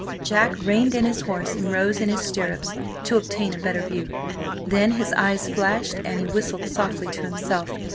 Jacked reined in his horse and rose in his stirrups to obtain a better view. Then his eyes flashed, and he whistled softly to himself.